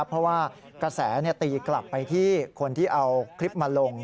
เพราะว่ากระแสตีกลับไปที่คนที่เอาคลิปมาลง